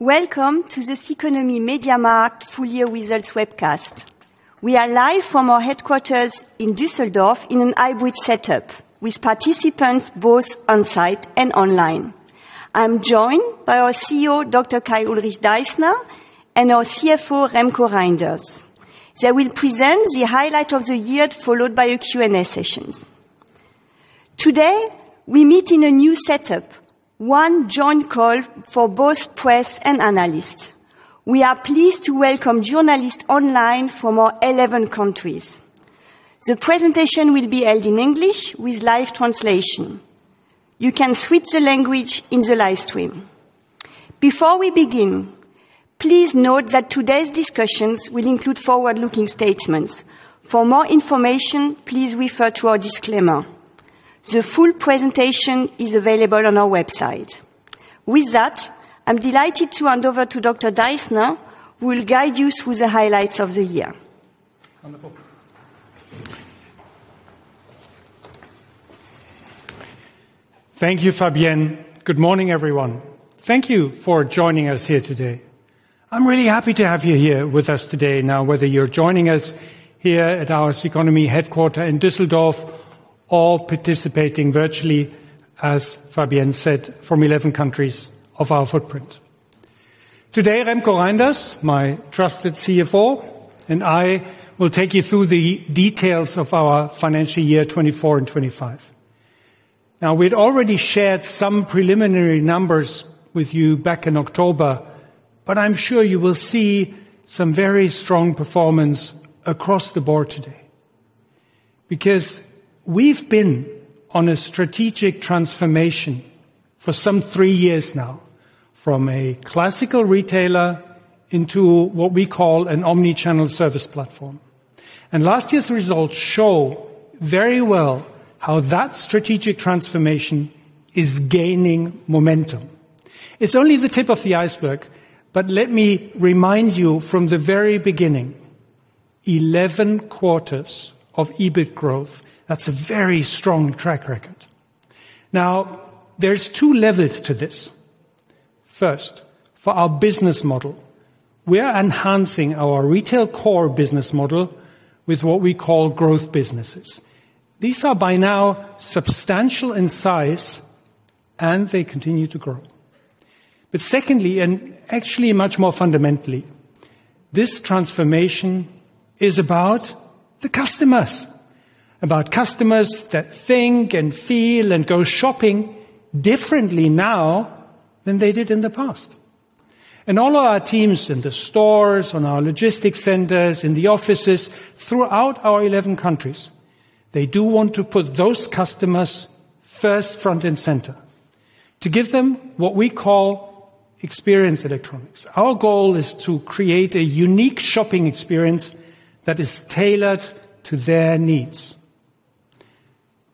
Welcome to the Ceconomy MediaMarkt Florian Wieser's webcast. We are live from our headquarters in Düsseldorf in a hybrid setup, with participants both on-site and online. I'm joined by our CEO, Dr. Kai-Ulrich Deissner, and our CFO, Remko Rijnders. They will present the highlight of the year, followed by a Q&A session. Today, we meet in a new setup, one joint call for both press and analysts. We are pleased to welcome journalists online from our 11 countries. The presentation will be held in English with live translation. You can switch the language in the live stream. Before we begin, please note that today's discussions will include forward-looking statements. For more information, please refer to our disclaimer. The full presentation is available on our website. With that, I'm delighted to hand over to Dr. Deissner, who will guide you through the highlights of the year. Wonderful. Thank you, Fabienne. Good morning, everyone. Thank you for joining us here today. I'm really happy to have you here with us today. Now, whether you're joining us here at our Ceconomy headquarters in Düsseldorf or participating virtually, as Fabienne said, from 11 countries of our footprint. Today, Remko Rijnders, my trusted CFO, and I will take you through the details of our financial year 2024 and 2025. Now, we'd already shared some preliminary numbers with you back in October, but I'm sure you will see some very strong performance across the board today because we've been on a strategic transformation for some three years now from a classical retailer into what we call an omnichannel service platform. And last year's results show very well how that strategic transformation is gaining momentum. It's only the tip of the iceberg, but let me remind you from the very beginning: 11 quarters of EBIT growth. That's a very strong track record. Now, there's two levels to this. First, for our business model, we're enhancing our retail core business model with what we call growth businesses. These are by now substantial in size, and they continue to grow. But secondly, and actually much more fundamentally, this transformation is about the customers, about customers that think and feel and go shopping differently now than they did in the past. And all of our teams in the stores, on our logistics centers, in the offices throughout our 11 countries, they do want to put those customers first, front, and center to give them what we call experience electronics. Our goal is to create a unique shopping experience that is tailored to their needs.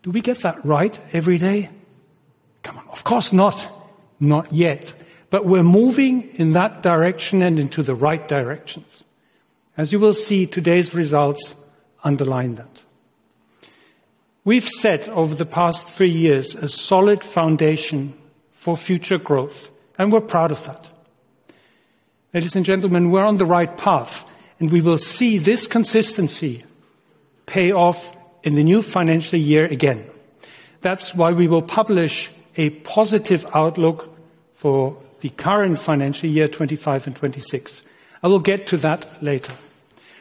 Do we get that right every day? Come on, of course not. Not yet. But we're moving in that direction and into the right directions. As you will see, today's results underline that. We've set over the past three years a solid foundation for future growth, and we're proud of that. Ladies and gentlemen, we're on the right path, and we will see this consistency pay off in the new financial year again. That's why we will publish a positive outlook for the current financial year 2025 and 2026. I will get to that later.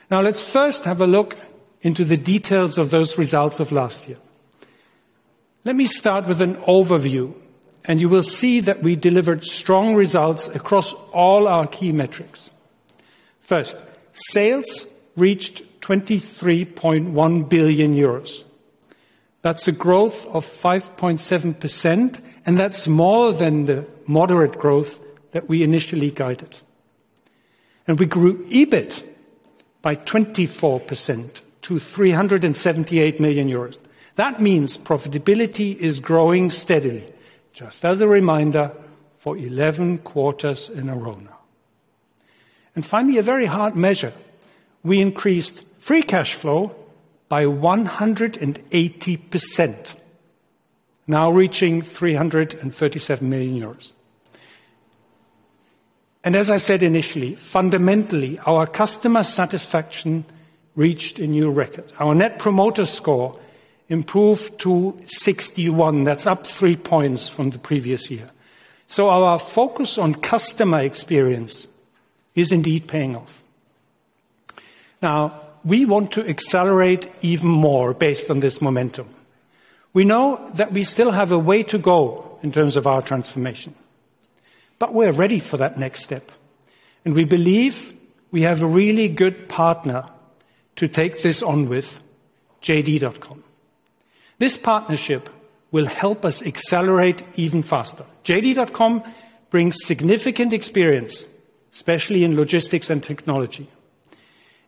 Now, let's first have a look into the details of those results of last year. Let me start with an overview, and you will see that we delivered strong results across all our key metrics. First, sales reached 23.1 billion euros. That's a growth of 5.7%, and that's more than the moderate growth that we initially guided. And we grew EBIT by 24% to 378 million euros. That means profitability is growing steadily, just as a reminder for 11 quarters in a row now. And finally, a very hard measure: we increased free cash flow by 180%, now reaching 337 million euros. And as I said initially, fundamentally, our customer satisfaction reached a new record. Our Net Promoter Score improved to 61. That's up three points from the previous year. So our focus on customer experience is indeed paying off. Now, we want to accelerate even more based on this momentum. We know that we still have a way to go in terms of our transformation, but we're ready for that next step. And we believe we have a really good partner to take this on with, JD.com. This partnership will help us accelerate even faster. JD.com brings significant experience, especially in logistics and technology.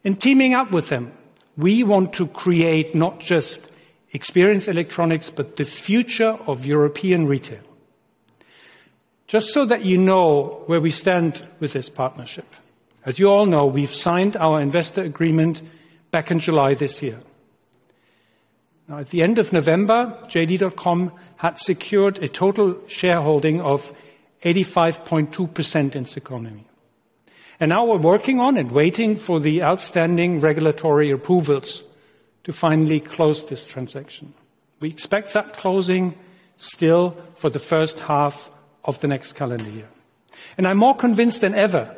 In teaming up with them, we want to create not just experience electronics, but the future of European retail. Just so that you know where we stand with this partnership, as you all know, we've signed our investor agreement back in July this year. Now, at the end of November, JD.com had secured a total shareholding of 85.2% in Ceconomy. And now we're working on it, waiting for the outstanding regulatory approvals to finally close this transaction. We expect that closing still for the first half of the next calendar year. And I'm more convinced than ever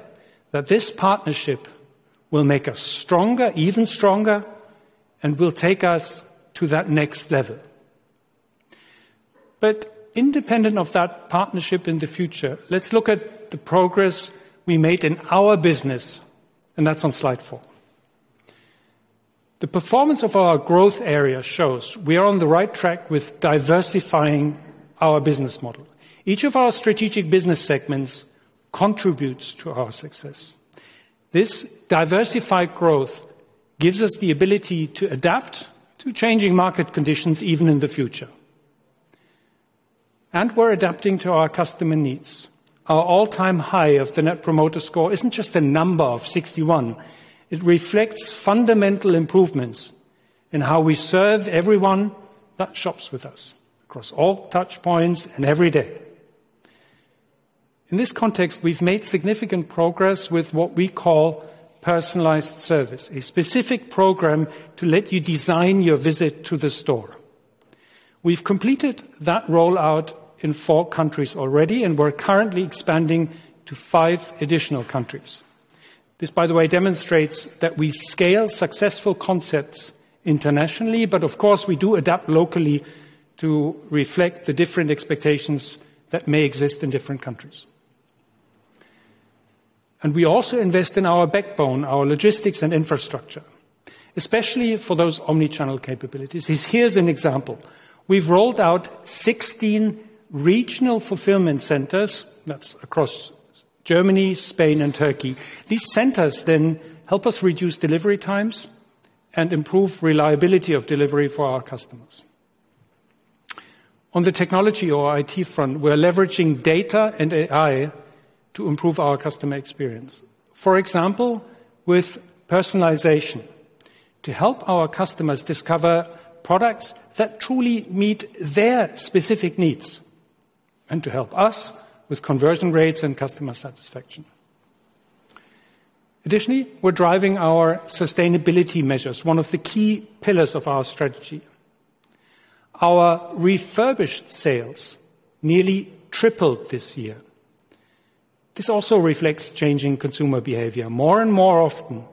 that this partnership will make us stronger, even stronger, and will take us to that next level. But independent of that partnership in the future, let's look at the progress we made in our business, and that's on slide four. The performance of our growth area shows we are on the right track with diversifying our business model. Each of our strategic business segments contributes to our success. This diversified growth gives us the ability to adapt to changing market conditions even in the future. And we're adapting to our customer needs. Our all-time high of the Net Promoter Score isn't just a number of 61. It reflects fundamental improvements in how we serve everyone that shops with us across all touchpoints and every day. In this context, we've made significant progress with what we call personalized service, a specific program to let you design your visit to the store. We've completed that rollout in four countries already, and we're currently expanding to five additional countries. This, by the way, demonstrates that we scale successful concepts internationally, but of course, we do adapt locally to reflect the different expectations that may exist in different countries, and we also invest in our backbone, our logistics and infrastructure, especially for those omnichannel capabilities. Here's an example. We've rolled out 16 regional fulfillment centers. That's across Germany, Spain, and Turkey. These centers then help us reduce delivery times and improve the reliability of delivery for our customers. On the technology or IT front, we're leveraging data and AI to improve our customer experience, for example, with personalization to help our customers discover products that truly meet their specific needs and to help us with conversion rates and customer satisfaction. Additionally, we're driving our sustainability measures, one of the key pillars of our strategy. Our refurbished sales nearly tripled this year. This also reflects changing consumer behavior. More and more often,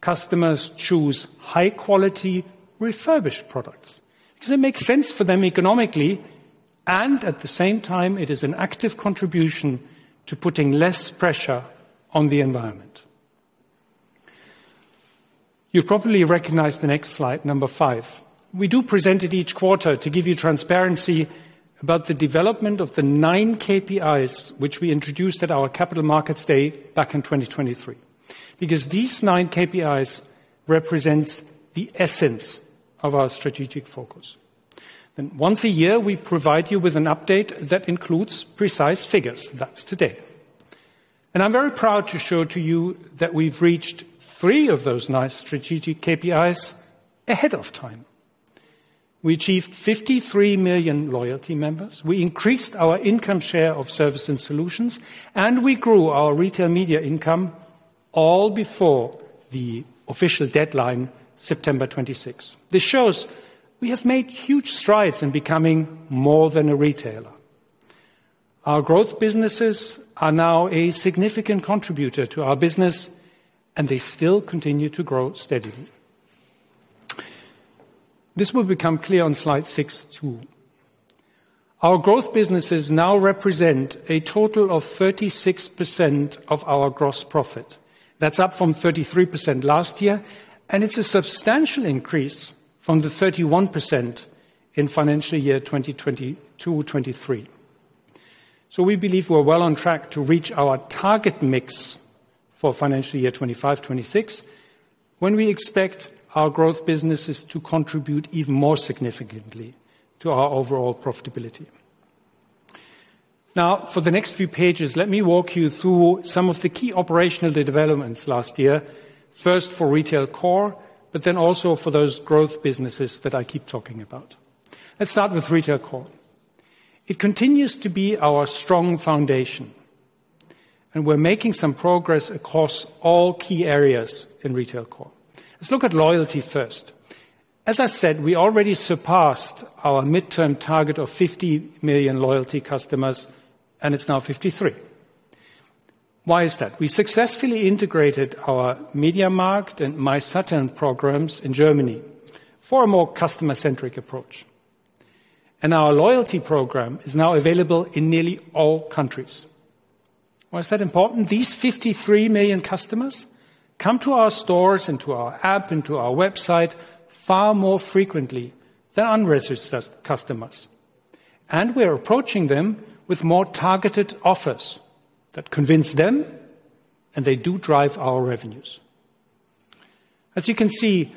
customers choose high-quality refurbished products because it makes sense for them economically, and at the same time, it is an active contribution to putting less pressure on the environment. You probably recognize the next slide, number five. We do present it each quarter to give you transparency about the development of the nine KPIs which we introduced at our capital markets day back in 2023 because these nine KPIs represent the essence of our strategic focus. And once a year, we provide you with an update that includes precise figures. That's today. And I'm very proud to show to you that we've reached three of those nice strategic KPIs ahead of time. We achieved 53 million loyalty members. We increased our income share of service and solutions, and we grew our retail media income all before the official deadline, September 26. This shows we have made huge strides in becoming more than a retailer. Our growth businesses are now a significant contributor to our business, and they still continue to grow steadily. This will become clear on slide six too. Our growth businesses now represent a total of 36% of our gross profit. That's up from 33% last year, and it's a substantial increase from the 31% in financial year 2022/23. So we believe we're well on track to reach our target mix for financial year 2025/26 when we expect our growth businesses to contribute even more significantly to our overall profitability. Now, for the next few pages, let me walk you through some of the key operational developments last year, first for retail core, but then also for those growth businesses that I keep talking about. Let's start with retail core. It continues to be our strong foundation, and we're making some progress across all key areas in retail core. Let's look at loyalty first. As I said, we already surpassed our midterm target of 50 million loyalty customers, and it's now 53. Why is that? We successfully integrated our MediaMarkt and MySaturn programs in Germany for a more customer-centric approach, and our loyalty program is now available in nearly all countries. Why is that important? These 53 million customers come to our stores and to our app and to our website far more frequently than unregistered customers, and we're approaching them with more targeted offers that convince them, and they do drive our revenues. As you can see,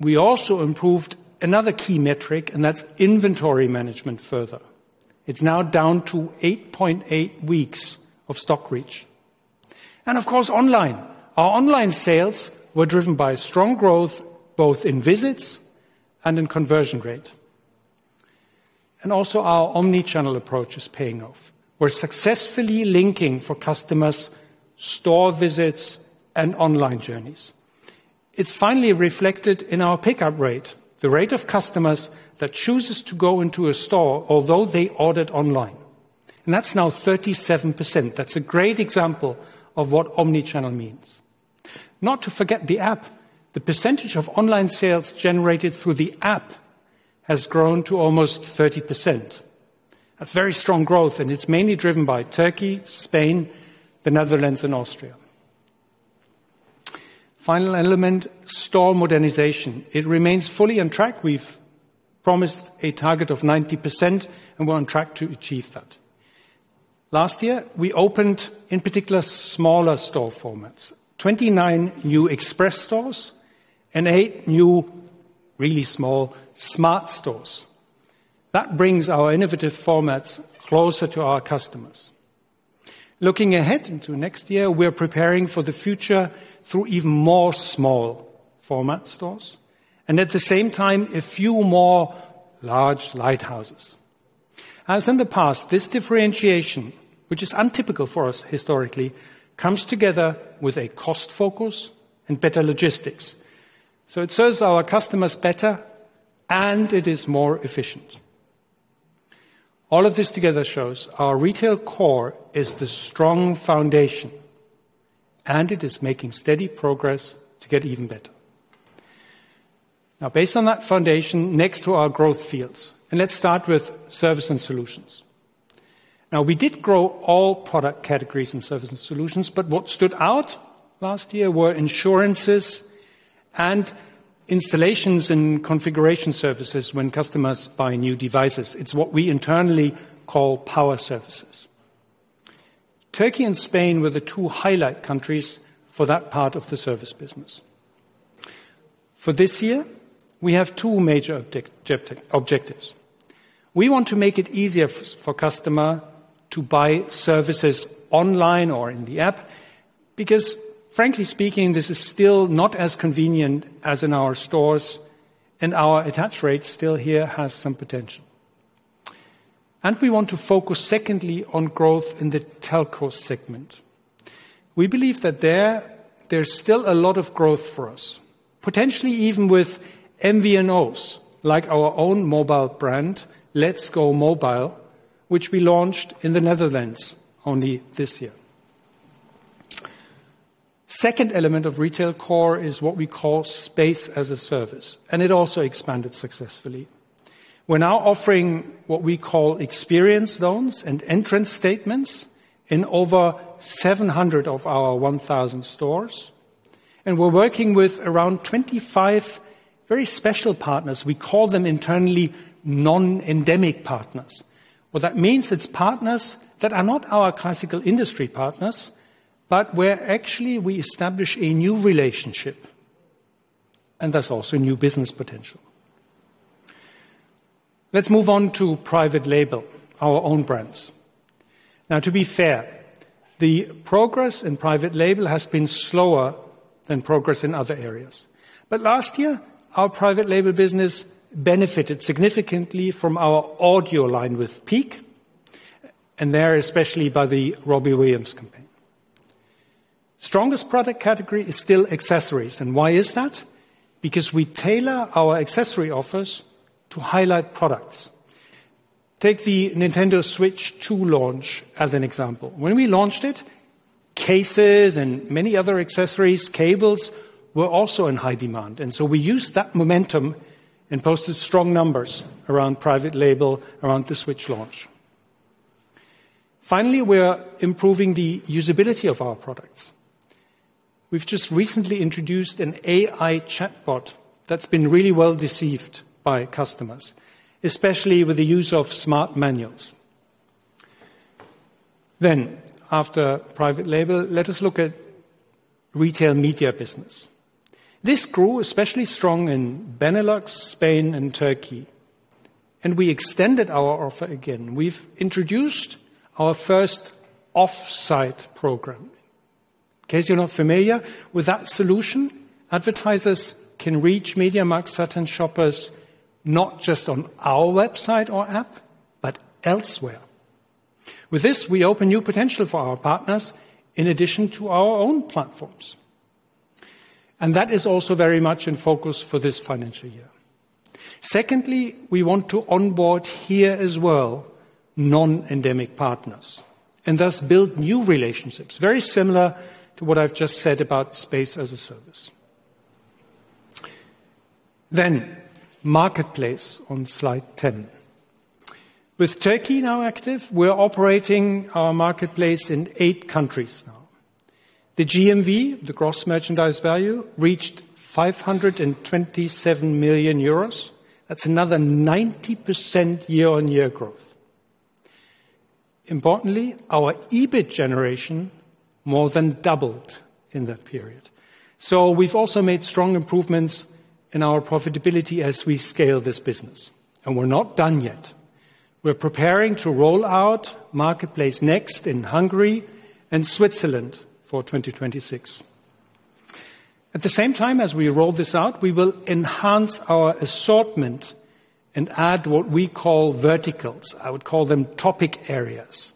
we also improved another key metric, and that's inventory management further. It's now down to 8.8 weeks of stock reach. Of course, online, our online sales were driven by strong growth both in visits and in conversion rate. And also, our omnichannel approach is paying off. We're successfully linking for customers' store visits and online journeys. It's finally reflected in our pickup rate, the rate of customers that chooses to go into a store although they ordered online. And that's now 37%. That's a great example of what omnichannel means. Not to forget the app, the percentage of online sales generated through the app has grown to almost 30%. That's very strong growth, and it's mainly driven by Turkey, Spain, the Netherlands, and Austria. Final element, store modernization. It remains fully on track. We've promised a target of 90%, and we're on track to achieve that. Last year, we opened in particular smaller store formats, 29 new express stores and eight new really small smart stores. That brings our innovative formats closer to our customers. Looking ahead into next year, we're preparing for the future through even more small format stores and at the same time, a few more large lighthouses. As in the past, this differentiation, which is untypical for us historically, comes together with a cost focus and better logistics. So it serves our customers better, and it is more efficient. All of this together shows our retail core is the strong foundation, and it is making steady progress to get even better. Now, based on that foundation, next to our growth fields, and let's start with service and solutions. Now, we did grow all product categories and service and solutions, but what stood out last year were insurances and installations and configuration services when customers buy new devices. It's what we internally call power services. Turkey and Spain were the two highlight countries for that part of the service business. For this year, we have two major objectives. We want to make it easier for customers to buy services online or in the app because, frankly speaking, this is still not as convenient as in our stores, and our attach rate still here has some potential, and we want to focus secondly on growth in the telco segment. We believe that there's still a lot of growth for us, potentially even with MVNOs like our own mobile brand, Let's Go Mobile, which we launched in the Netherlands only this year. Second element of retail core is what we call space as a service, and it also expanded successfully. We're now offering what we call experience zones and entrance statements in over 700 of our 1,000 stores, and we're working with around 25 very special partners. We call them internally non-endemic partners. What that means is partners that are not our classical industry partners, but where actually we establish a new relationship, and that's also new business potential. Let's move on to private label, our own brands. Now, to be fair, the progress in private label has been slower than progress in other areas. But last year, our private label business benefited significantly from our audio line with PEAQ, and there especially by the Robbie Williams campaign. Strongest product category is still accessories. And why is that? Because we tailor our accessory offers to highlight products. Take the Nintendo Switch 2 launch as an example. When we launched it, cases and many other accessories, cables were also in high demand. And so we used that momentum and posted strong numbers around private label around the Switch launch. Finally, we're improving the usability of our products. We've just recently introduced an AI chatbot that's been really well received by customers, especially with the use of smart manuals. Then, after private label, let us look at retail media business. This grew especially strong in Benelux, Spain, and Turkey. And we extended our offer again. We've introduced our first off-site program. In case you're not familiar with that solution, advertisers can reach MediaMarktSaturn shoppers not just on our website or app, but elsewhere. With this, we open new potential for our partners in addition to our own platforms. And that is also very much in focus for this financial year. Secondly, we want to onboard here as well non-endemic partners and thus build new relationships, very similar to what I've just said about space as a service. Then, marketplace on slide 10. With Turkey now active, we're operating our marketplace in eight countries now. The GMV, the gross merchandise value, reached 527 million euros. That's another 90% year-on-year growth. Importantly, our EBIT generation more than doubled in that period. So we've also made strong improvements in our profitability as we scale this business. And we're not done yet. We're preparing to roll out marketplace next in Hungary and Switzerland for 2026. At the same time as we roll this out, we will enhance our assortment and add what we call verticals. I would call them topic areas.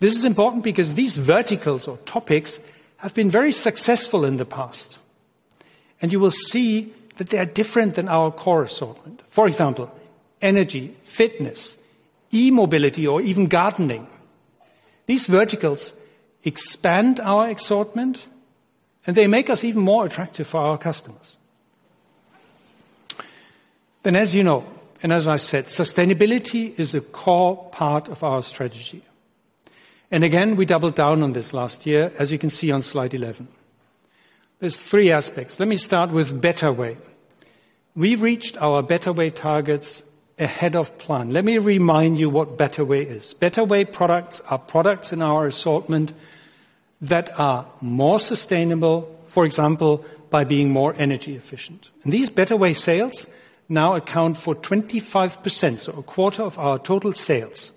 This is important because these verticals or topics have been very successful in the past. And you will see that they are different than our core assortment. For example, energy, fitness, e-mobility, or even gardening. These verticals expand our assortment, and they make us even more attractive for our customers. Then, as you know, and as I said, sustainability is a core part of our strategy. We doubled down on this last year, as you can see on slide 11. There's three aspects. Let me start with BetterWay. We've reached our BetterWay targets ahead of plan. Let me remind you what BetterWay is. BetterWay products are products in our assortment that are more sustainable, for example, by being more energy efficient. These BetterWay sales now account for 25%, so a quarter of our total sales.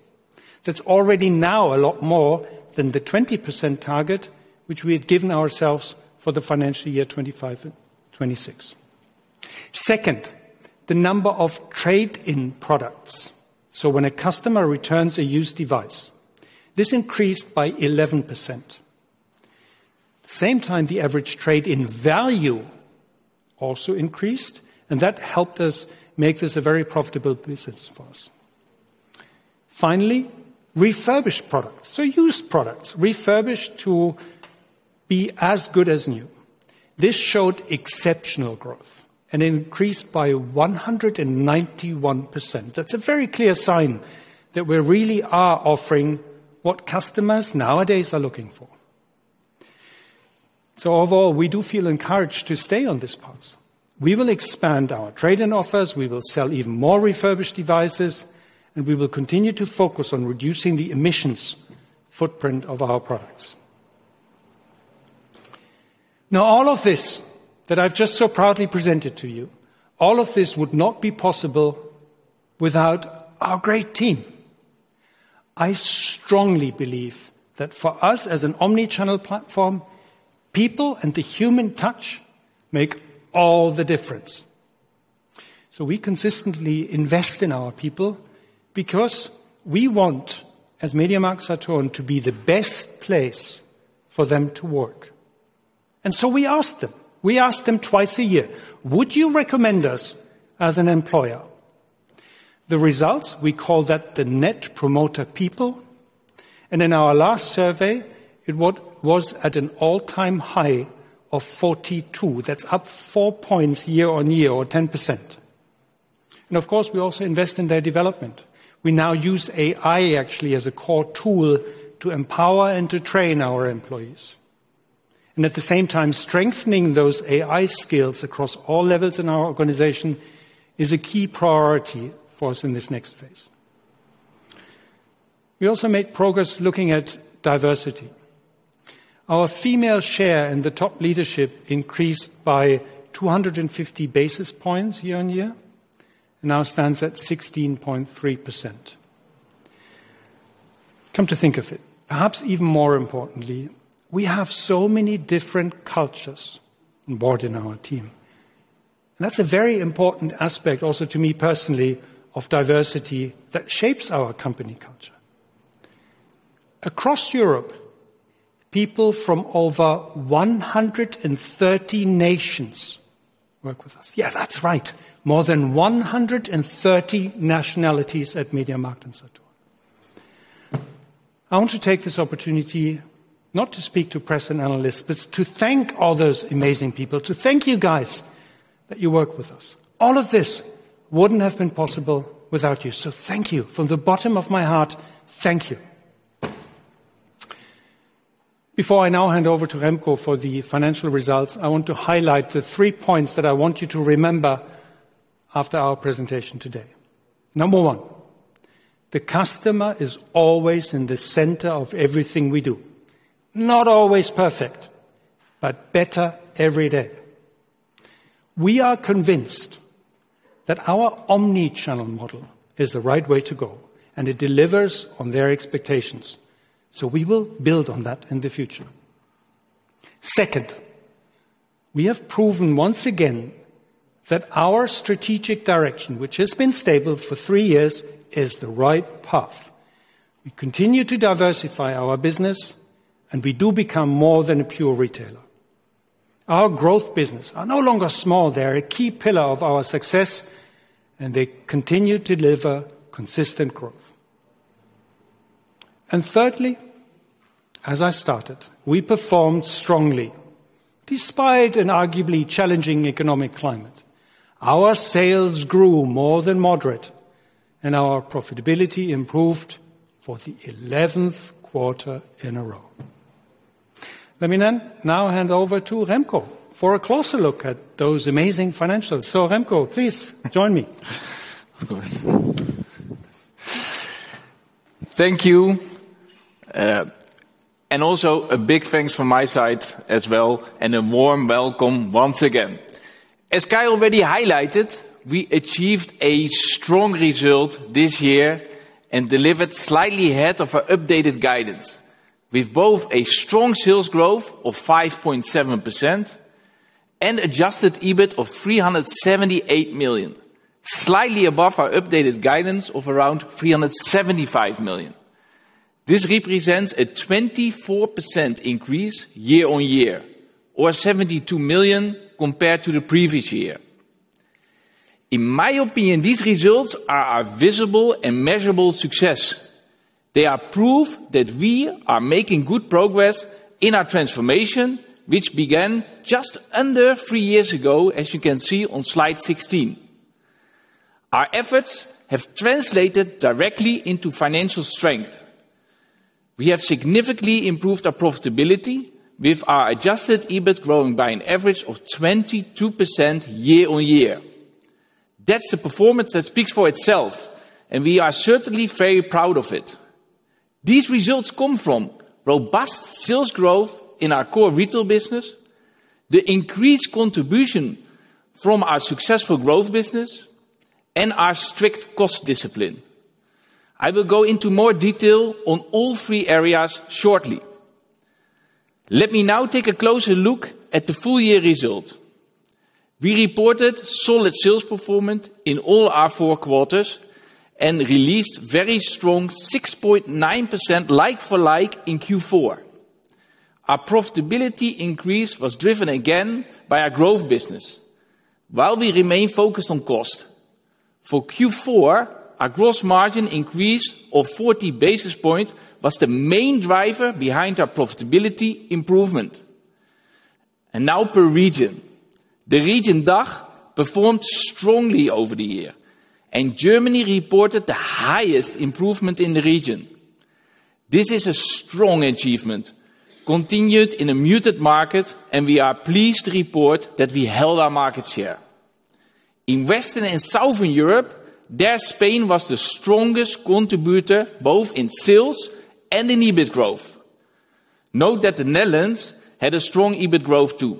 That's already now a lot more than the 20% target which we had given ourselves for the financial year 2025 and 2026. Second, the number of trade-in products. So when a customer returns a used device, this increased by 11%. At the same time, the average trade-in value also increased, and that helped us make this a very profitable business for us. Finally, refurbished products. So used products, refurbished to be as good as new. This showed exceptional growth and increased by 191%. That's a very clear sign that we really are offering what customers nowadays are looking for. So overall, we do feel encouraged to stay on this path. We will expand our trade-in offers. We will sell even more refurbished devices, and we will continue to focus on reducing the emissions footprint of our products. Now, all of this that I've just so proudly presented to you, all of this would not be possible without our great team. I strongly believe that for us as an omnichannel platform, people and the human touch make all the difference. So we consistently invest in our people because we want, as MediaMarktSaturn, to be the best place for them to work. And so we ask them. We ask them twice a year, "Would you recommend us as an employer?" The results, we call that the Net Promoter People. And in our last survey, it was at an all-time high of 42. That's up four points year-on-year or 10%. And of course, we also invest in their development. We now use AI actually as a core tool to empower and to train our employees. And at the same time, strengthening those AI skills across all levels in our organization is a key priority for us in this next phase. We also made progress looking at diversity. Our female share in the top leadership increased by 250 basis points year-on-year and now stands at 16.3%. Come to think of it, perhaps even more importantly, we have so many different cultures on board in our team. That's a very important aspect also to me personally of diversity that shapes our company culture. Across Europe, people from over 130 nations work with us. Yeah, that's right. More than 130 nationalities at MediaMarkt and Saturn. I want to take this opportunity not to speak to press and analysts, but to thank all those amazing people, to thank you guys that you work with us. All of this wouldn't have been possible without you. So thank you from the bottom of my heart. Thank you. Before I now hand over to Remko for the financial results, I want to highlight the three points that I want you to remember after our presentation today. Number one, the customer is always in the center of everything we do. Not always perfect, but better every day. We are convinced that our omnichannel model is the right way to go, and it delivers on their expectations. So we will build on that in the future. Second, we have proven once again that our strategic direction, which has been stable for three years, is the right path. We continue to diversify our business, and we do become more than a pure retailer. Our growth business are no longer small. They're a key pillar of our success, and they continue to deliver consistent growth. And thirdly, as I started, we performed strongly despite an arguably challenging economic climate. Our sales grew more than moderate, and our profitability improved for the 11th quarter in a row. Let me now hand over to Remko for a closer look at those amazing financials. So Remko, please join me. Thank you. Also a big thanks from my side as well and a warm welcome once again. As Kai already highlighted, we achieved a strong result this year and delivered slightly ahead of our updated guidance. We have both a strong sales growth of 5.7% and Adjusted EBIT of 378 million, slightly above our updated guidance of around 375 million. This represents a 24% increase year-on-year or 72 million compared to the previous year. In my opinion, these results are our visible and measurable success. They are proof that we are making good progress in our transformation, which began just under three years ago, as you can see on Slide 16. Our efforts have translated directly into financial strength. We have significantly improved our profitability with our Adjusted EBIT growing by an average of 22% year-on-year. That's a performance that speaks for itself, and we are certainly very proud of it. These results come from robust sales growth in our core retail business, the increased contribution from our successful growth business, and our strict cost discipline. I will go into more detail on all three areas shortly. Let me now take a closer look at the full year result. We reported solid sales performance in all our four quarters and released very strong 6.9% like-for-like in Q4. Our profitability increase was driven again by our growth business while we remained focused on cost. For Q4, our gross margin increase of 40 basis points was the main driver behind our profitability improvement. And now per region, the region DACH performed strongly over the year, and Germany reported the highest improvement in the region. This is a strong achievement continued in a muted market, and we are pleased to report that we held our market share. In Western and Southern Europe, Spain was the strongest contributor both in sales and in EBIT growth. Note that the Netherlands had a strong EBIT growth too.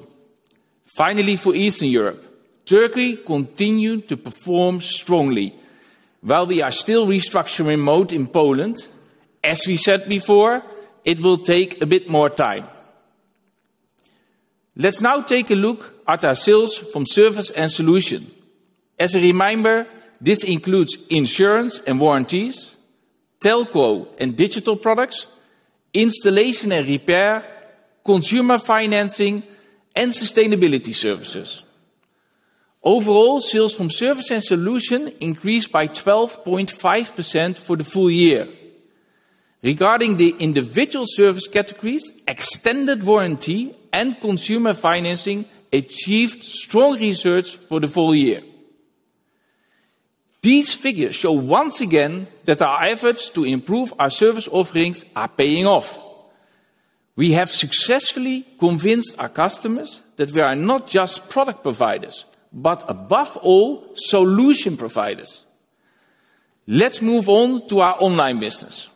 Finally, for Eastern Europe, Turkey continued to perform strongly while we are still in restructuring mode in Poland. As we said before, it will take a bit more time. Let's now take a look at our sales from services and solutions. As a reminder, this includes insurance and warranties, telco and digital products, installation and repair, consumer financing, and sustainability services. Overall, sales from services and solutions increased by 12.5% for the full year. Regarding the individual service categories, extended warranty and consumer financing achieved strong results for the full year. These figures show once again that our efforts to improve our service offerings are paying off. We have successfully convinced our customers that we are not just product providers, but above all, solution providers. Let's move on to our online business.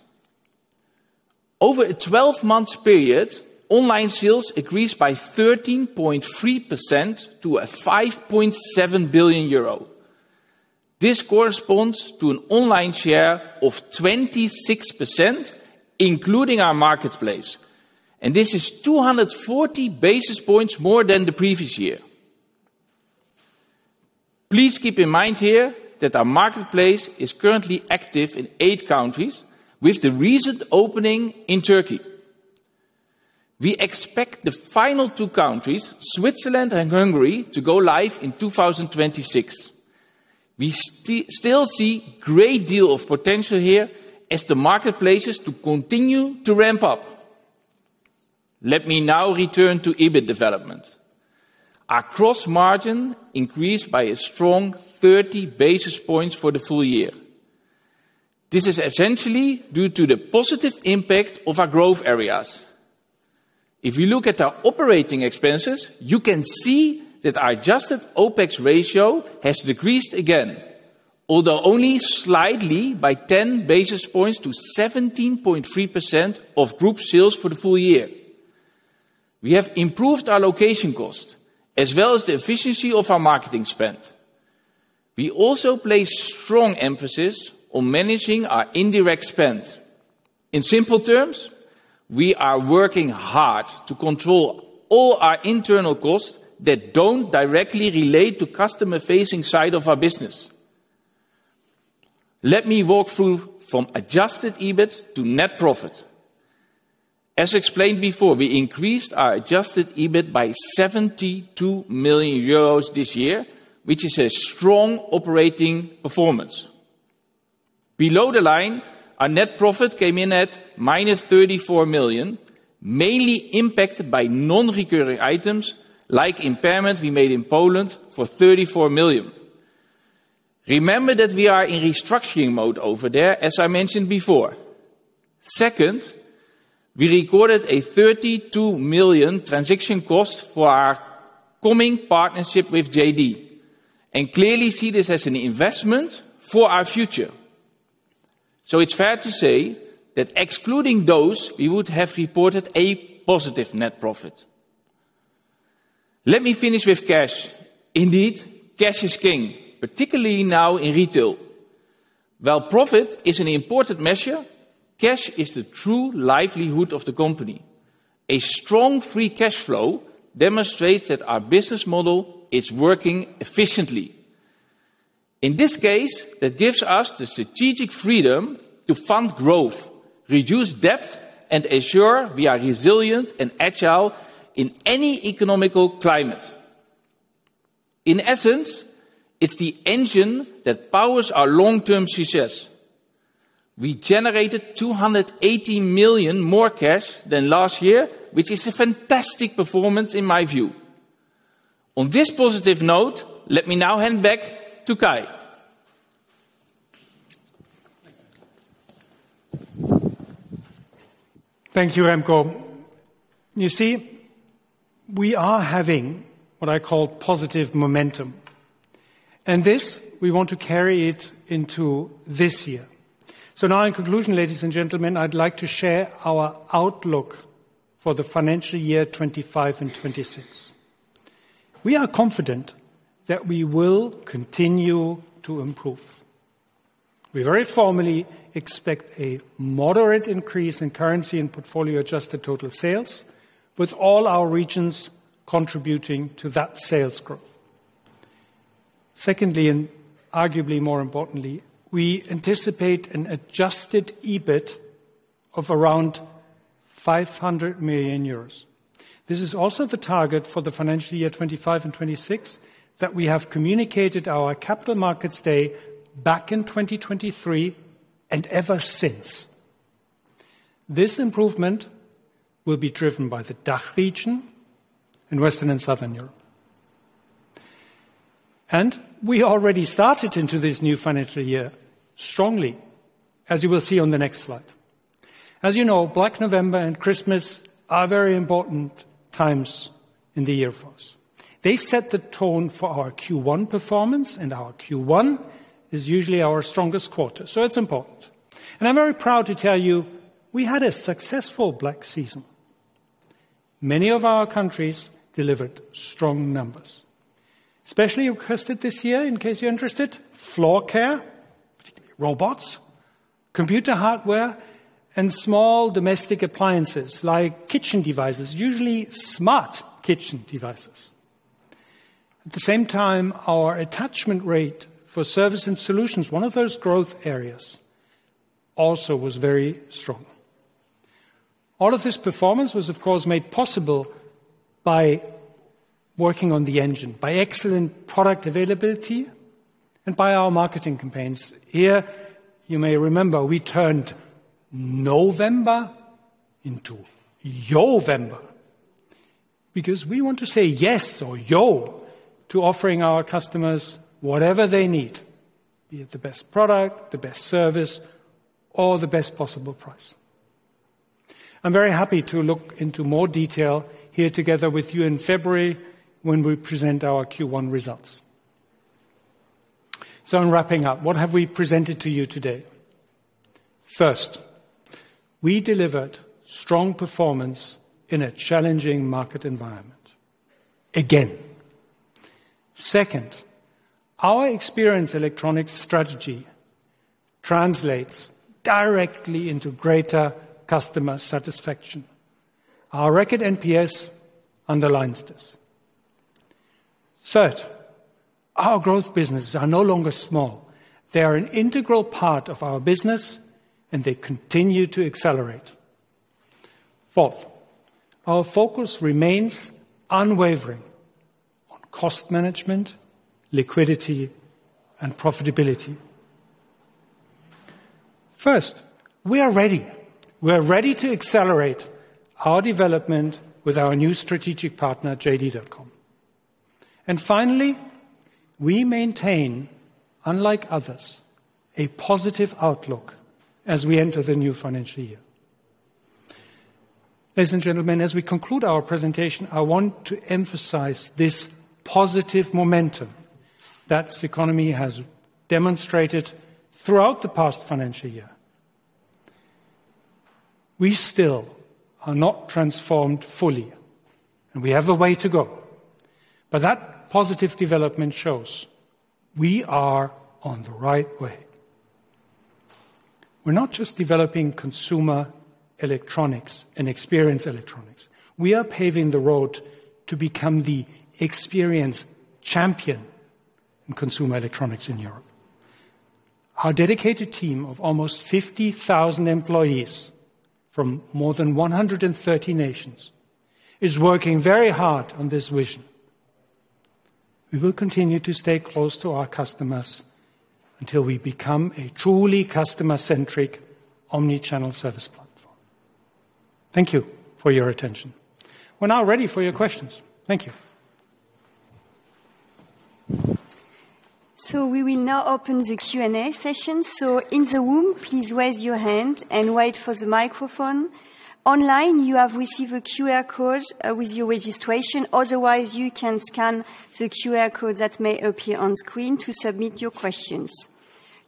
Over a 12-month period, online sales increased by 13.3% to 5.7 billion euro. This corresponds to an online share of 26%, including our marketplace, and this is 240 basis points more than the previous year. Please keep in mind here that our marketplace is currently active in eight countries, with the recent opening in Turkey. We expect the final two countries, Switzerland and Hungary, to go live in 2026. We still see a great deal of potential here as the marketplaces continue to ramp up. Let me now return to EBIT development. Our gross margin increased by a strong 30 basis points for the full year. This is essentially due to the positive impact of our growth areas. If you look at our operating expenses, you can see that our adjusted OpEx ratio has decreased again, although only slightly by 10 basis points to 17.3% of group sales for the full year. We have improved our location cost as well as the efficiency of our marketing spend. We also place strong emphasis on managing our indirect spend. In simple terms, we are working hard to control all our internal costs that don't directly relate to the customer-facing side of our business. Let me walk through from adjusted EBIT to net profit. As explained before, we increased our adjusted EBIT by 72 million euros this year, which is a strong operating performance. Below the line, our net profit came in at minus 34 million, mainly impacted by non-recurring items like impairment we made in Poland for 34 million. Remember that we are in restructuring mode over there, as I mentioned before. Second, we recorded 32 million transaction cost for our coming partnership with JD and clearly see this as an investment for our future. So it's fair to say that excluding those, we would have reported a positive net profit. Let me finish with cash. Indeed, cash is king, particularly now in retail. While profit is an important measure, cash is the true livelihood of the company. A strong free cash flow demonstrates that our business model is working efficiently. In this case, that gives us the strategic freedom to fund growth, reduce debt, and ensure we are resilient and agile in any economic climate. In essence, it's the engine that powers our long-term success. We generated 280 million more cash than last year, which is a fantastic performance in my view. On this positive note, let me now hand back to Kai. Thank you, Remko. You see, we are having what I call positive momentum, and this we want to carry it into this year. So now, in conclusion, ladies and gentlemen, I'd like to share our outlook for the financial year 25 and 26. We are confident that we will continue to improve. We very formally expect a moderate increase in currency and portfolio adjusted total sales, with all our regions contributing to that sales growth. Secondly, and arguably more importantly, we anticipate an adjusted EBIT of around 500 million euros. This is also the target for the financial year 25 and 26 that we have communicated our capital markets day back in 2023 and ever since. This improvement will be driven by the DACH region in Western and Southern Europe. We already started into this new financial year strongly, as you will see on the next slide. As you know, Black November and Christmas are very important times in the year for us. They set the tone for our Q1 performance, and our Q1 is usually our strongest quarter, so it's important. I'm very proud to tell you we had a successful Black season. Many of our countries delivered strong numbers, especially requested this year, in case you're interested, floor care, robots, computer hardware, and small domestic appliances like kitchen devices, usually smart kitchen devices. At the same time, our attachment rate for service and solutions, one of those growth areas, also was very strong. All of this performance was, of course, made possible by working on the engine, by excellent product availability, and by our marketing campaigns. Here, you may remember we turned November into Yovember because we want to say yes or yo to offering our customers whatever they need, be it the best product, the best service, or the best possible price. I'm very happy to look into more detail here together with you in February when we present our Q1 results. So in wrapping up, what have we presented to you today? First, we delivered strong performance in a challenging market environment. Again. Second, our Experience Electronics strategy translates directly into greater customer satisfaction. Our record NPS underlines this. Third, our growth businesses are no longer small. They are an integral part of our business, and they continue to accelerate. Fourth, our focus remains unwavering on cost management, liquidity, and profitability. First, we are ready. We are ready to accelerate our development with our new strategic partner, JD.com. Finally, we maintain, unlike others, a positive outlook as we enter the new financial year. Ladies and gentlemen, as we conclude our presentation, I want to emphasize this positive momentum that the economy has demonstrated throughout the past financial year. We still are not transformed fully, and we have a way to go. But that positive development shows we are on the right way. We're not just developing consumer electronics and experience electronics. We are paving the road to become the experience champion in consumer electronics in Europe. Our dedicated team of almost 50,000 employees from more than 130 nations is working very hard on this vision. We will continue to stay close to our customers until we become a truly customer-centric omnichannel service platform. Thank you for your attention. We're now ready for your questions. Thank you. We will now open the Q&A session. In the room, please raise your hand and wait for the microphone. Online, you have received a QR code with your registration. Otherwise, you can scan the QR code that may appear on screen to submit your questions.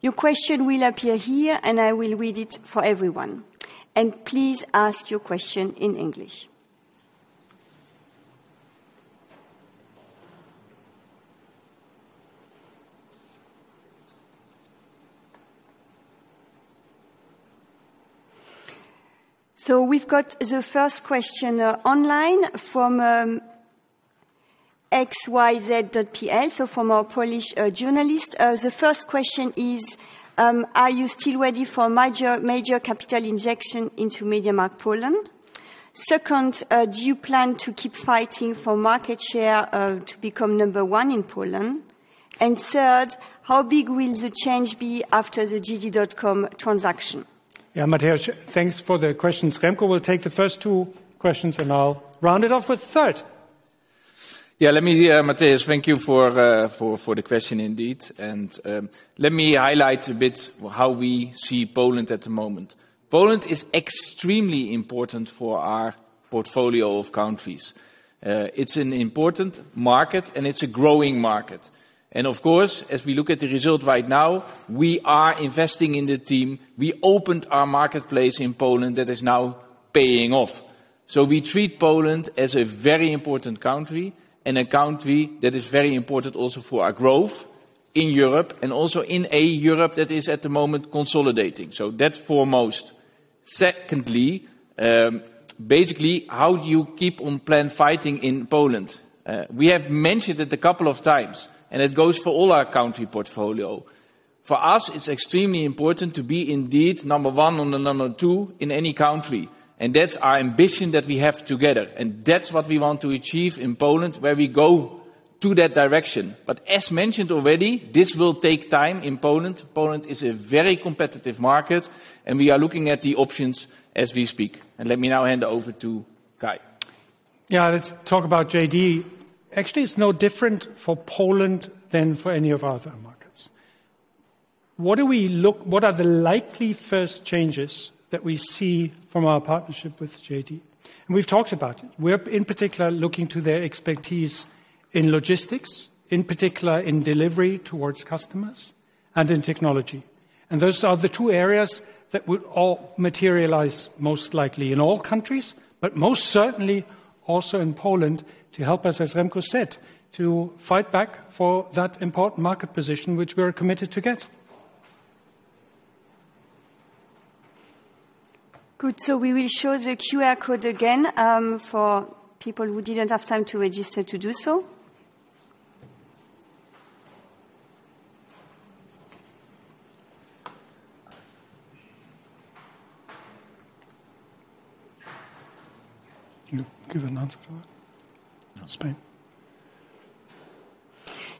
Your question will appear here, and I will read it for everyone. And please ask your question in English. So we've got the first question online from xyz.pl, so from our Polish journalist. The first question is, are you still ready for major capital injection into MediaMarkt Poland? Second, do you plan to keep fighting for market share to become number one in Poland? And third, how big will the change be after the JD.com transaction? Yeah, Matthias, thanks for the questions. Remko will take the first two questions, and I'll round it off with third. Yeah, let me, Matthias, thank you for the question indeed. Let me highlight a bit how we see Poland at the moment. Poland is extremely important for our portfolio of countries. It's an important market, and it's a growing market. Of course, as we look at the result right now, we are investing in the team. We opened our marketplace in Poland that is now paying off. We treat Poland as a very important country and a country that is very important also for our growth in Europe and also in a Europe that is at the moment consolidating. That's foremost. Secondly, basically, how do you keep on plan fighting in Poland? We have mentioned it a couple of times, and it goes for all our country portfolio. For us, it's extremely important to be indeed number one or number two in any country. That's our ambition that we have together. That's what we want to achieve in Poland, where we go to that direction. But as mentioned already, this will take time in Poland. Poland is a very competitive market, and we are looking at the options as we speak. Let me now hand over to Kai. Yeah, let's talk about JD. Actually, it's no different for Poland than for any of our other markets. What do we look at? What are the likely first changes that we see from our partnership with JD? And we've talked about it. We're in particular looking to their expertise in logistics, in particular in delivery towards customers and in technology. And those are the two areas that would all materialize most likely in all countries, but most certainly also in Poland to help us, as Remko said, to fight back for that important market position which we are committed to get. Good. So we will show the QR code again for people who didn't have time to register to do so. You give an answer to that. Not Spain.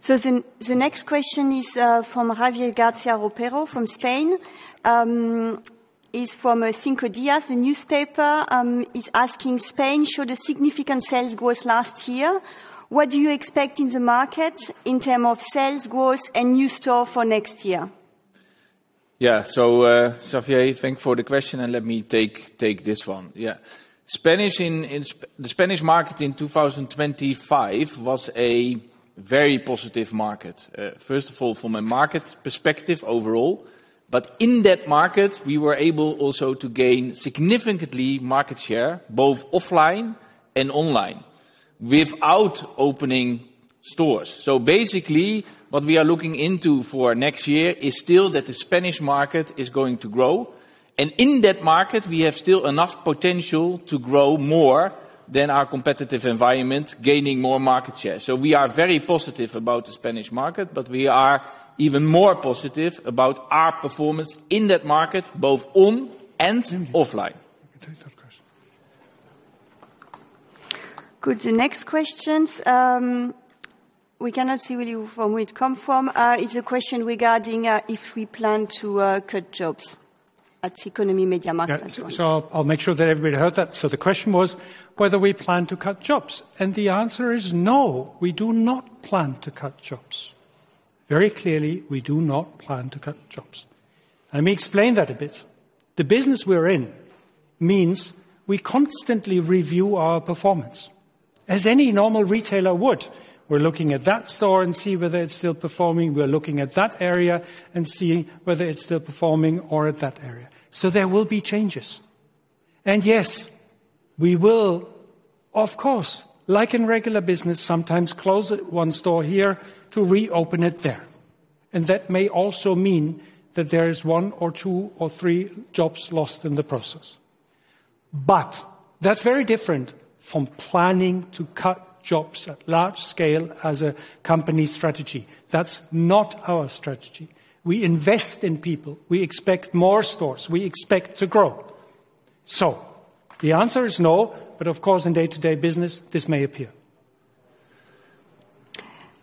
So the next question is from Javier García Ropero from Spain. It's from Cinco Días. The newspaper is asking, "Spain showed a significant sales growth last year. What do you expect in the market in terms of sales growth and new stores for next year?" Yeah, so Javier, thank you for the question, and let me take this one. Yeah. The Spanish market in 2025 was a very positive market, first of all, from a market perspective overall. But in that market, we were able also to gain significantly market share, both offline and online, without opening stores. So basically, what we are looking into for next year is still that the Spanish market is going to grow. In that market, we have still enough potential to grow more than our competitive environment, gaining more market share. We are very positive about the Spanish market, but we are even more positive about our performance in that market, both on and offline. Good. The next questions. We cannot see really from where it comes from. It's a question regarding if we plan to cut jobs at Ceconomy MediaMarkt as well. I'll make sure that everybody heard that. The question was whether we plan to cut jobs. The answer is no, we do not plan to cut jobs. Very clearly, we do not plan to cut jobs. Let me explain that a bit. The business we're in means we constantly review our performance, as any normal retailer would. We're looking at that store and see whether it's still performing. We're looking at that area and seeing whether it's still performing or at that area, so there will be changes, and yes, we will, of course, like in regular business, sometimes close one store here to reopen it there, and that may also mean that there is one or two or three jobs lost in the process, but that's very different from planning to cut jobs at large scale as a company strategy. That's not our strategy. We invest in people. We expect more stores. We expect to grow, so the answer is no, but of course, in day-to-day business, this may appear.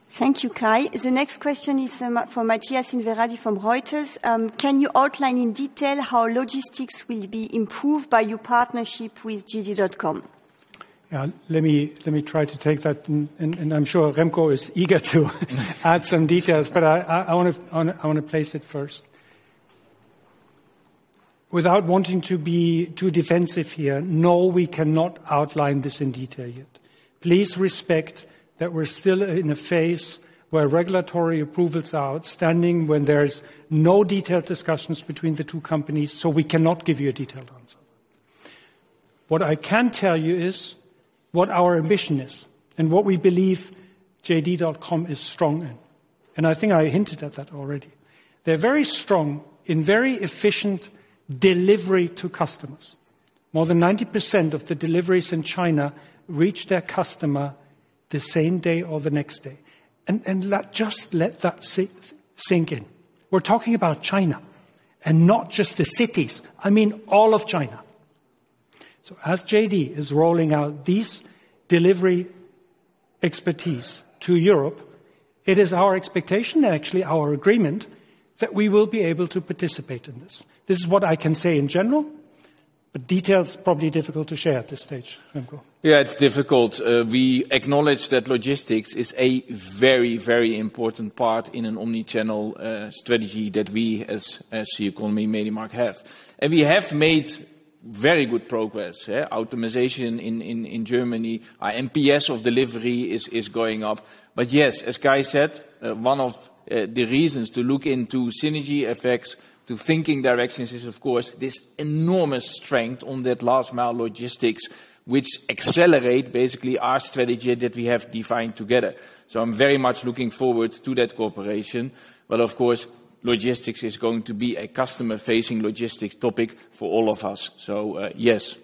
Thank you, Kai. The next question is for Matthias Inverardi from Reuters. Can you outline in detail how logistics will be improved by your partnership with JD.com? Yeah, let me try to take that. And I'm sure Remko is eager to add some details, but I want to place it first. Without wanting to be too defensive here, no, we cannot outline this in detail yet. Please respect that we're still in a phase where regulatory approvals are outstanding when there's no detailed discussions between the two companies, so we cannot give you a detailed answer. What I can tell you is what our ambition is and what we believe JD.com is strong in. And I think I hinted at that already. They're very strong in very efficient delivery to customers. More than 90% of the deliveries in China reach their customer the same day or the next day. And just let that sink in. We're talking about China and not just the cities. I mean all of China. So as JD is rolling out this delivery expertise to Europe, it is our expectation and actually our agreement that we will be able to participate in this. This is what I can say in general, but detail is probably difficult to share at this stage. Yeah, it's difficult. We acknowledge that logistics is a very, very important part in an omnichannel strategy that we as Ceconomy MediaMarkt have, and we have made very good progress. Optimization in Germany, our MPS of delivery is going up. But yes, as Kai said, one of the reasons to look into synergy effects to thinking directions is, of course, this enormous strength on that last mile logistics, which accelerate basically our strategy that we have defined together. So I'm very much looking forward to that cooperation. But of course, logistics is going to be a customer-facing logistics topic for all of us. So yes.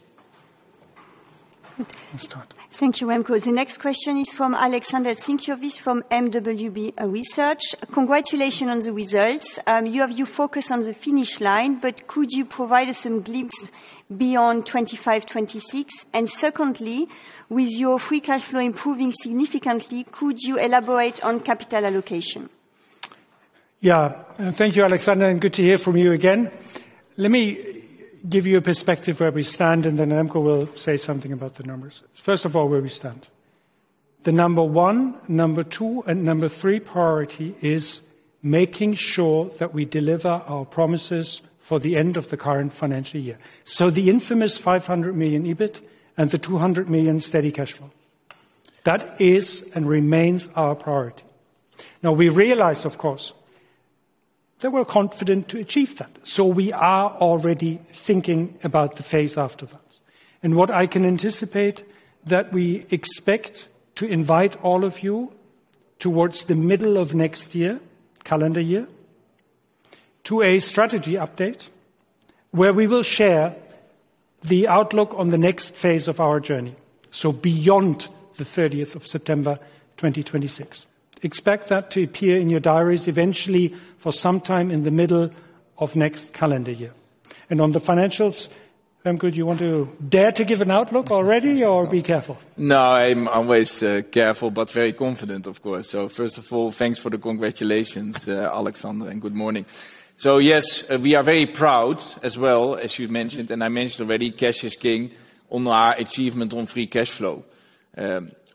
Thank you, Remko. The next question is from Alexander Zink from mwb research. Congratulations on the results. You have your focus on the finish line, but could you provide us some glimpse beyond 25-26? And secondly, with your free cash flow improving significantly, could you elaborate on capital allocation? Yeah, thank you, Alexander, and good to hear from you again. Let me give you a perspective where we stand, and then Remko will say something about the numbers. First of all, where we stand. The number one, number two, and number three priority is making sure that we deliver our promises for the end of the current financial year. So the infamous 500 million EBIT and the 200 million steady cash flow. That is and remains our priority. Now, we realize, of course, that we're confident to achieve that. So we are already thinking about the phase after that. And what I can anticipate, that we expect to invite all of you towards the middle of next year, calendar year, to a strategy update where we will share the outlook on the next phase of our journey. So beyond the 30th of September 2026. Expect that to appear in your diaries eventually for sometime in the middle of next calendar year. And on the financials, Remko, do you want to dare to give an outlook already or be careful? No, I'm always careful, but very confident, of course. So first of all, thanks for the congratulations, Alexander, and good morning. So yes, we are very proud as well, as you mentioned, and I mentioned already. Cash is king on our achievement on free cash flow.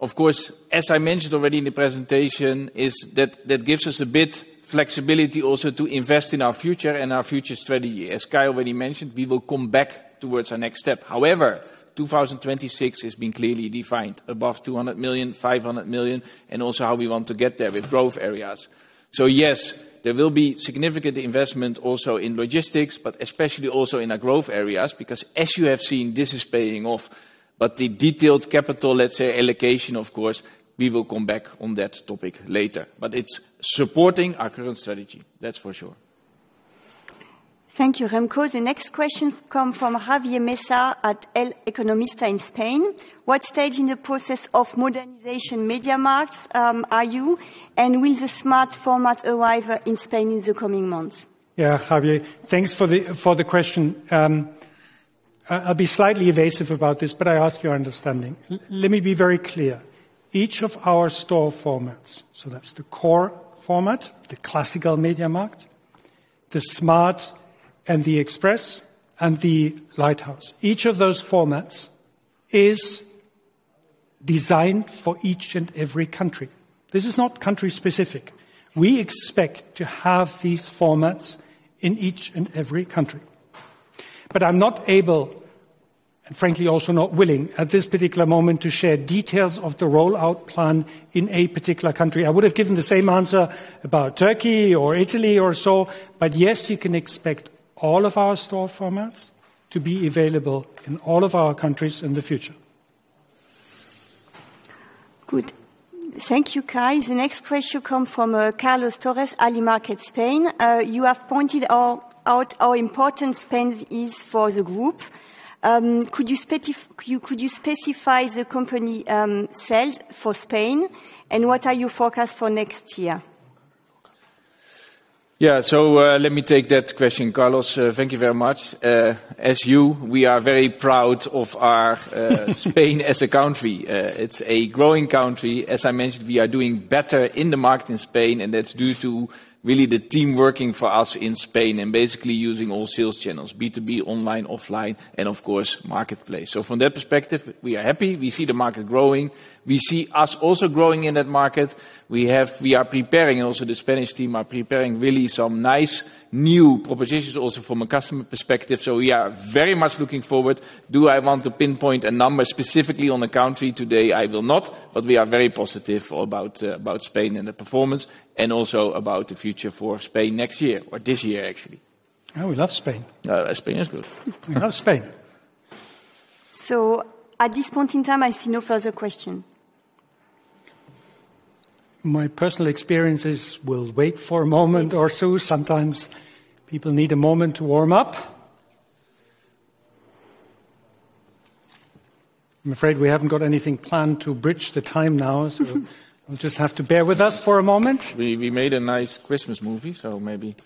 Of course, as I mentioned already in the presentation, that gives us a bit of flexibility also to invest in our future and our future strategy. As Kai already mentioned, we will come back towards our next step. However, 2026 has been clearly defined above 200 million, 500 million, and also how we want to get there with growth areas. So yes, there will be significant investment also in logistics, but especially also in our growth areas, because as you have seen, this is paying off. But the detailed capital, let's say, allocation, of course, we will come back on that topic later. But it's supporting our current strategy, that's for sure. Thank you, Remko. The next question comes from Javier Mesa at El Economista in Spain. What stage in the process of modernization MediaMarkt are you, and will the smart format arrive in Spain in the coming months? Yeah, Javier, thanks for the question. I'll be slightly evasive about this, but I ask your understanding. Let me be very clear. Each of our store formats, so that's the core format, the classical MediaMarkt, the smart and the express, and the lighthouse. Each of those formats is designed for each and every country. This is not country-specific. We expect to have these formats in each and every country. But I'm not able, and frankly, also not willing at this particular moment to share details of the rollout plan in a particular country. I would have given the same answer about Turkey or Italy or so, but yes, you can expect all of our store formats to be available in all of our countries in the future. Good. Thank you, Kai. The next question comes from Carlos Torres, Alimarket Spain. You have pointed out how important Spain is for the group. Could you specify the company sales for Spain, and what are your forecasts for next year? Yeah, so let me take that question, Carlos. Thank you very much. As you, we are very proud of our Spain as a country. It's a growing country. As I mentioned, we are doing better in the market in Spain, and that's due to really the team working for us in Spain and basically using all sales channels, B2B, online, offline, and of course, marketplace. So from that perspective, we are happy. We see the market growing. We see us also growing in that market. We are preparing also the Spanish team are preparing really some nice new propositions also from a customer perspective. So we are very much looking forward. Do I want to pinpoint a number specifically on the country today? I will not, but we are very positive about Spain and the performance and also about the future for Spain next year or this year, actually. We love Spain. Spain is good. We love Spain. So at this point in time, I see no further question. My personal experiences will wait for a moment or so. Sometimes people need a moment to warm up. I'm afraid we haven't got anything planned to bridge the time now, so we'll just have to bear with us for a moment. We made a nice Christmas movie, so maybe.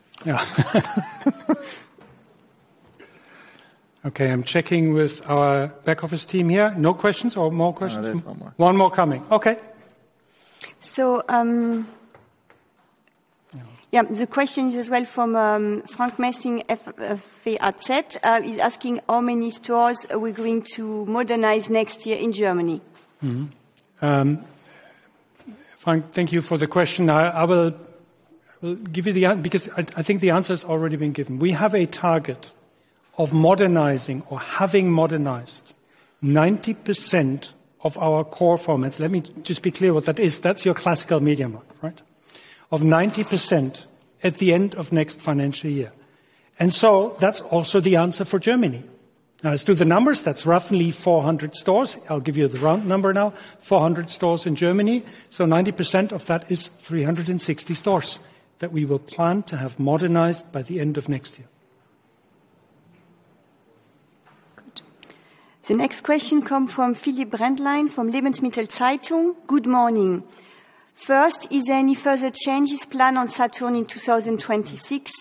Okay, I'm checking with our back office team here. No questions or more questions? One more coming. Okay. So yeah, the question is as well from Frank Meßing at WAZ. He's asking how many stores we're going to modernize next year in Germany. Frank, thank you for the question. I will give you the answer because I think the answer has already been given. We have a target of modernizing or having modernized 90% of our core formats. Let me just be clear what that is. That's your classical MediaMarkt, right? Of 90% at the end of next financial year. And so that's also the answer for Germany. Now, as to the numbers, that's roughly 400 stores. I'll give you the round number now. 400 stores in Germany. So 90% of that is 360 stores that we will plan to have modernized by the end of next year. Good. The next question comes from Philipp Brändlein from Lebensmittel Zeitung. Good morning. First, is there any further changes planned on Saturn in 2026?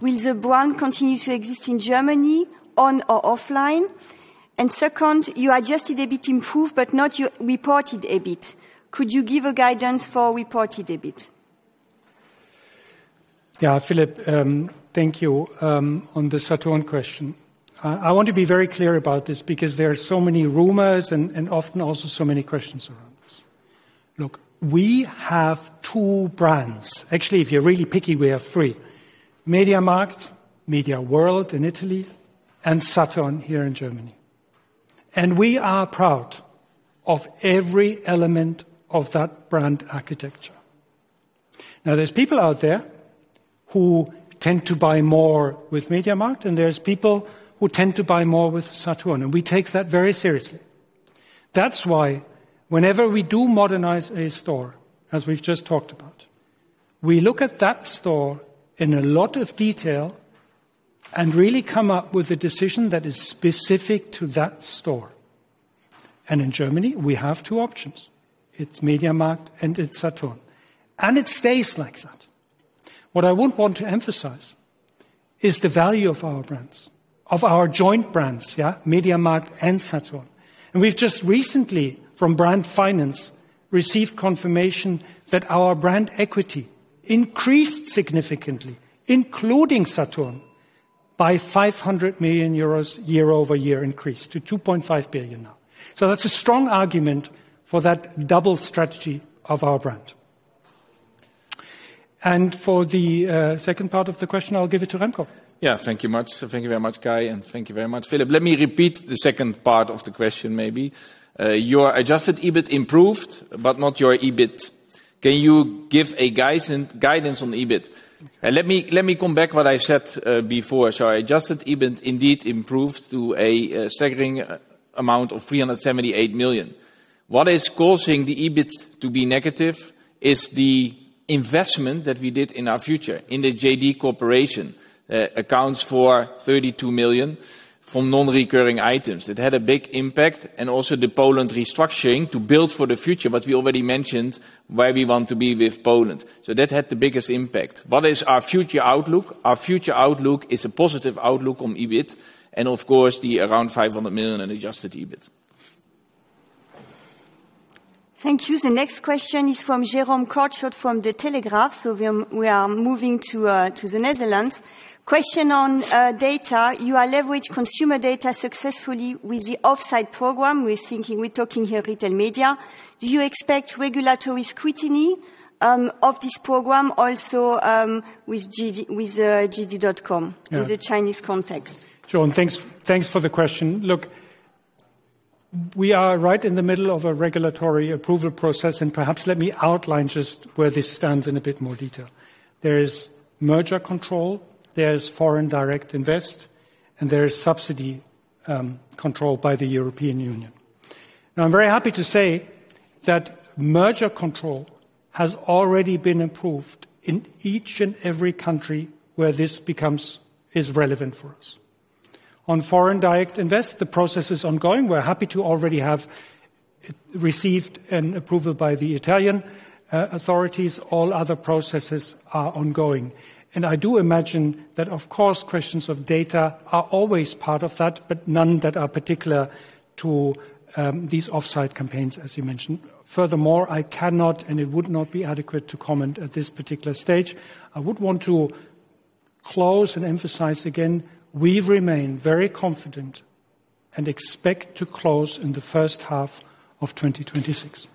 Will the brand continue to exist in Germany on or offline? And second, you adjusted a bit improved, but not reported a bit. Could you give a guidance for reported a bit? Yeah, Philip, thank you on the Saturn question. I want to be very clear about this because there are so many rumors and often also so many questions around this. Look, we have two brands. Actually, if you're really picky, we have three: MediaMarkt, MediaWorld in Italy, and Saturn here in Germany. And we are proud of every element of that brand architecture. Now, there's people out there who tend to buy more with MediaMarkt, and there's people who tend to buy more with Saturn. And we take that very seriously. That's why whenever we do modernize a store, as we've just talked about, we look at that store in a lot of detail and really come up with a decision that is specific to that store. And in Germany, we have two options. It's MediaMarkt and it's Saturn. And it stays like that. What I would want to emphasize is the value of our brands, of our joint brands, yeah, MediaMarkt and Saturn. And we've just recently, from Brand Finance, received confirmation that our brand equity increased significantly, including Saturn, by 500 million euros year-over-year increase to 2.5 billion now. So that's a strong argument for that double strategy of our brand. And for the second part of the question, I'll give it to Remko. Yeah, thank you much. Thank you very much, Kai, and thank you very much, Philipp. Let me repeat the second part of the question maybe. Your Adjusted EBIT improved, but not your EBIT. Can you give a guidance on EBIT? And let me come back to what I said before. So Adjusted EBIT indeed improved to a staggering amount of 378 million. What is causing the EBIT to be negative is the investment that we did in our future in the JD.com accounts for 32 million from non-recurring items. It had a big impact and also the Poland restructuring to build for the future, what we already mentioned, where we want to be with Poland. So that had the biggest impact. What is our future outlook? Our future outlook is a positive outlook on EBIT and, of course, around 500 million in adjusted EBIT. Thank you. The next question is from Jerome Kortschut from De Telegraaf. So we are moving to the Netherlands. Question on data. You are leveraging consumer data successfully with the off-site program. We're talking here retail media. Do you expect regulatory scrutiny of this program also with JD.com in the Chinese context? John, thanks for the question. Look, we are right in the middle of a regulatory approval process, and perhaps let me outline just where this stands in a bit more detail. There is merger control, there is foreign direct investment, and there is subsidy control by the European Union. Now, I'm very happy to say that merger control has already been approved in each and every country where this becomes relevant for us. On foreign direct investment, the process is ongoing. We're happy to already have received an approval by the Italian authorities. All other processes are ongoing. And I do imagine that, of course, questions of data are always part of that, but none that are particular to these off-site campaigns, as you mentioned. Furthermore, I cannot and it would not be adequate to comment at this particular stage. I would want to close and emphasize again, we remain very confident and expect to close in the first half of 2026.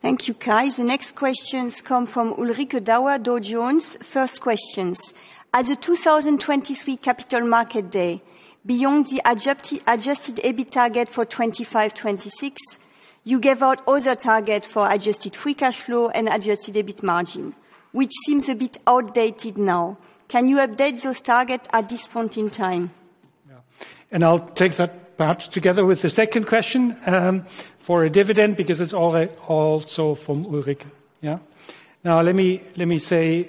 Thank you, Kai. The next questions come from Ulrike Dauer, Dow Jones Newswires. First questions. At the 2023 Capital Markets Day, beyond the adjusted EBIT target for 25-26, you gave out other targets for adjusted free cash flow and adjusted EBIT margin, which seems a bit outdated now. Can you update those targets at this point in time? And I'll take that part together with the second question for a dividend because it's also from Ulrike. Now, let me say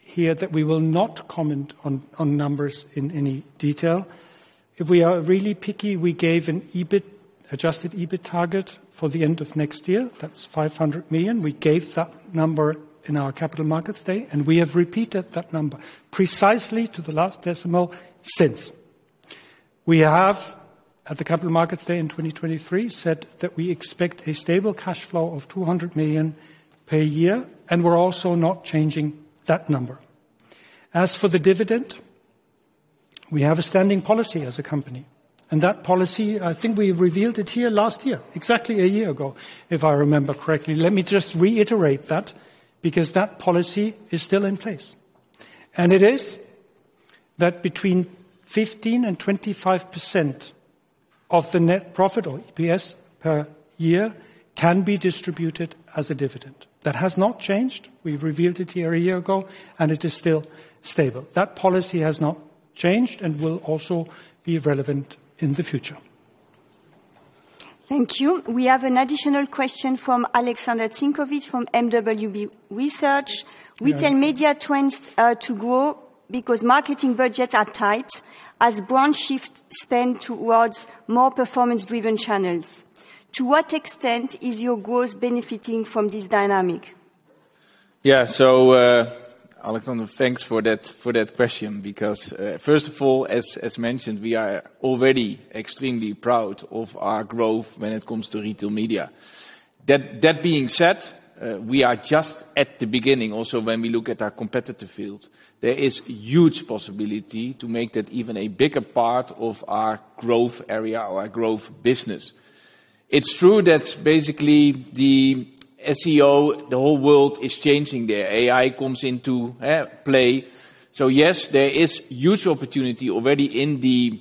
here that we will not comment on numbers in any detail. If we are really picky, we gave an adjusted EBIT target for the end of next year. That's 500 million. We gave that number in our Capital Markets Day, and we have repeated that number precisely to the last decimal since. We have, at the Capital Markets Day in 2023, said that we expect a stable cash flow of 200 million per year, and we're also not changing that number. As for the dividend, we have a standing policy as a company, and that policy, I think we revealed it here last year, exactly a year ago, if I remember correctly. Let me just reiterate that because that policy is still in place, and it is that between 15% and 25% of the net profit or EPS per year can be distributed as a dividend. That has not changed. We've revealed it here a year ago, and it is still stable. That policy has not changed and will also be relevant in the future. Thank you. We have an additional question from Alexander Zink from mwb research. Retail media trends to grow because marketing budgets are tight as brands shift spend towards more performance-driven channels. To what extent is your growth benefiting from this dynamic? Yeah, so Alexander, thanks for that question because, first of all, as mentioned, we are already extremely proud of our growth when it comes to retail media. That being said, we are just at the beginning. Also, when we look at our competitive field, there is a huge possibility to make that even a bigger part of our growth area or our growth business. It's true that basically the SEO, the whole world is changing there. AI comes into play. So yes, there is huge opportunity already in the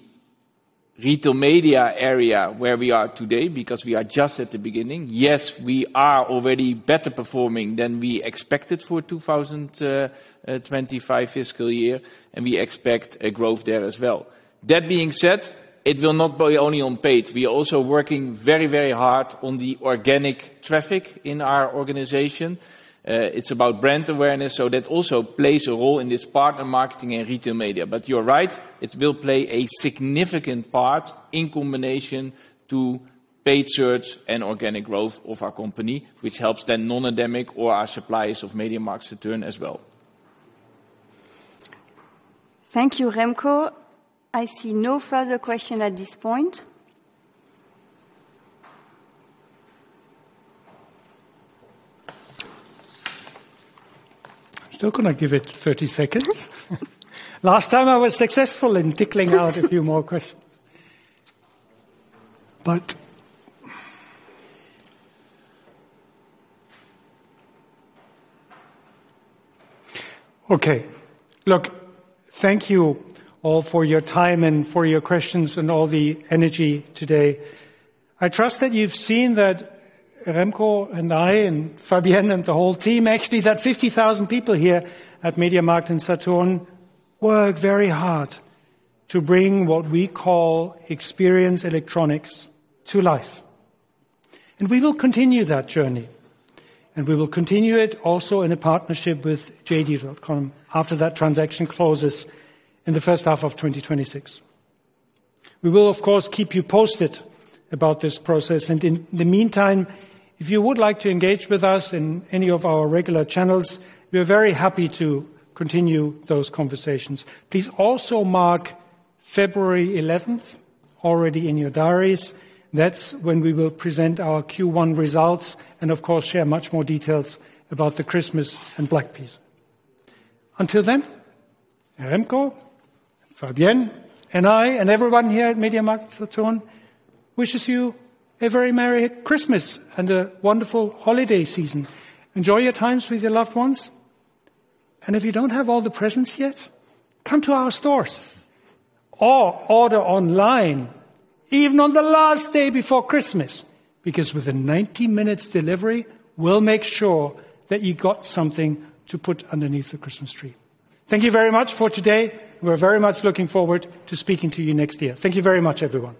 retail media area where we are today because we are just at the beginning. Yes, we are already better performing than we expected for 2025 fiscal year, and we expect a growth there as well. That being said, it will not be only on paid. We are also working very, very hard on the organic traffic in our organization. It's about brand awareness, so that also plays a role in this part of marketing and retail media. But you're right, it will play a significant part in combination to paid search and organic growth of our company, which helps then non-endemic or our suppliers of MediaMarkt to turn as well. Thank you, Remko. I see no further questions at this point. Still going to give it 30 seconds. Last time I was successful in tickling out a few more questions. But okay, look, thank you all for your time and for your questions and all the energy today. I trust that you've seen that Remko and I and Fabienne and the whole team, actually that 50,000 people here at MediaMarkt and Saturn work very hard to bring what we call Experience Electronics to life. And we will continue that journey, and we will continue it also in a partnership with JD.com after that transaction closes in the first half of 2026. We will, of course, keep you posted about this process. And in the meantime, if you would like to engage with us in any of our regular channels, we are very happy to continue those conversations. Please also mark February 11th already in your diaries. That's when we will present our Q1 results and, of course, share much more details about the Christmas and Black Friday. Until then, Remko, Fabienne, and I and everyone here at MediaMarktSaturn wish you a very merry Christmas and a wonderful holiday season. Enjoy your times with your loved ones. And if you don't have all the presents yet, come to our stores or order online, even on the last day before Christmas, because within 90 minutes delivery, we'll make sure that you got something to put underneath the Christmas tree. Thank you very much for today. We're very much looking forward to speaking to you next year. Thank you very much, everyone.